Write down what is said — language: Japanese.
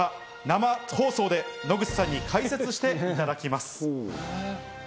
生放送で野口さんに解説していただきます。